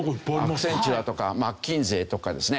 アクセンチュアとかマッキンゼーとかですね。